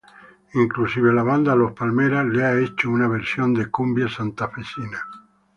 Inclusive, la banda Los Palmeras le ha hecho una versión de cumbia-santafesina.